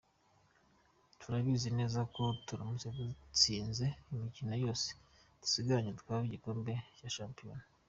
Turabizi neza ko turamutse dutsinze imikino yose dusigaranye twatwara igikombe cya shampiona.